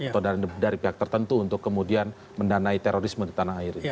atau dari pihak tertentu untuk kemudian mendanai terorisme di tanah air ini